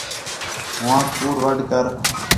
ہوآنک کُوڑ وڈھ کر